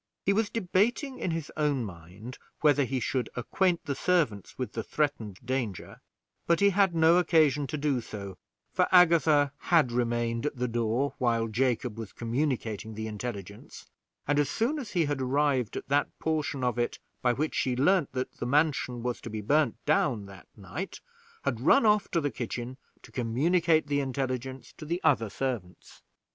He was debating in his own mind whether he should acquaint the servants with the threatened danger; but he had no occasion to do so, for Agatha had remained at the door while Jacob was communicating the intelligence, and as soon as he had arrived at that portion of it by which she learned that the mansion was to be burned down that night, had run off to the kitchen to communicate the intelligence to the other servants.